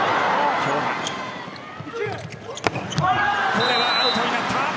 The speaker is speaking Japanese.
これはアウトになった。